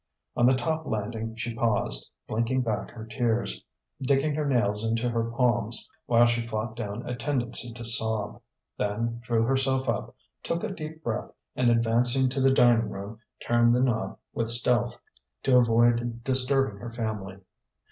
On the top landing she paused, blinking back her tears, digging her nails into her palms while she fought down a tendency to sob, then drew herself up, took a deep breath, and advancing to the dining room, turned the knob with stealth, to avoid disturbing her family.